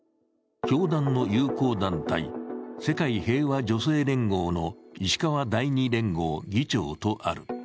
教団の友好団体、世界平和女性連合の石川第２連合議長とある。